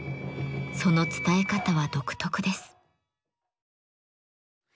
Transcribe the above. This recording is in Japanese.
その伝え方は独特です。